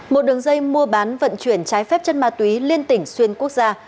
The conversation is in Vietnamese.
một đường dây mua bán vận chuyển trái phép chất ma túy liên tỉnh xuyên quốc gia